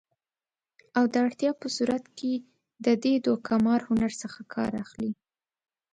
او د اړتیا په صورت کې د دې دوکه مار هنر څخه کار اخلي